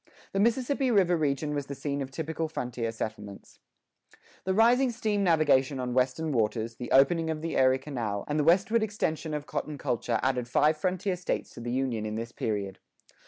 The Mississippi River region was the scene of typical frontier settlements.[7:1] The rising steam navigation[7:2] on western waters, the opening of the Erie Canal, and the westward extension of cotton[7:3] culture added five frontier states to the Union in this period.